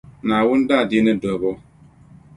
Naawuni daadiini duhibu.